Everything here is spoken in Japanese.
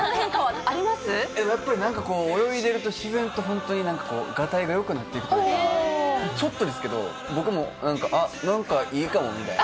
やっぱりなんかこう、泳いでると自然と本当に、なんかこう、がたいがよくなっていくというか、ちょっとですけど、僕もなんか、あっ、なんか、いいかもみたいな。